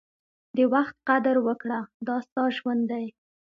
د وخت قدر وکړه، دا ستا ژوند دی.